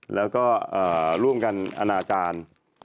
แล้วก็ร่วมกันอนาจารย์